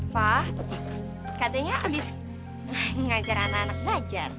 fah katanya abis ngajar anak anak belajar